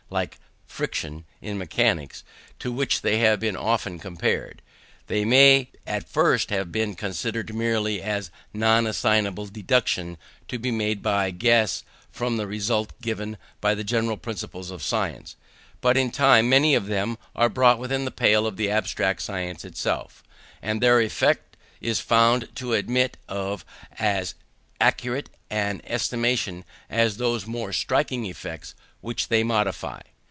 Like friction in mechanics, to which they have been often compared, they may at first have been considered merely as a non assignable deduction to be made by guess from the result given by the general principles of science; but in time many of them are brought within the pale of the abstract science itself, and their effect is found to admit of as accurate an estimation as those more striking effects which they modify.